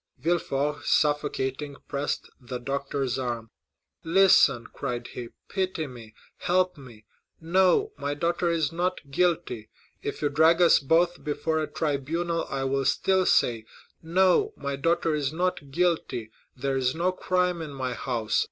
Villefort, suffocating, pressed the doctor's arm. 40124m "Listen," cried he; "pity me—help me! No, my daughter is not guilty. If you drag us both before a tribunal I will still say, 'No, my daughter is not guilty;—there is no crime in my house.